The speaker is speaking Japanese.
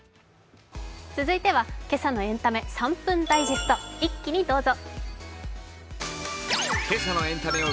続いては今朝のエンタメ３分ダイジェスト一気にどうぞ。